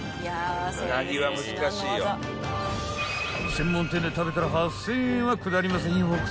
［専門店で食べたら８，０００円はくだりませんよ奥さま］